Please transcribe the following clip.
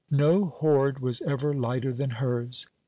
No hoard was ever lighter than hers.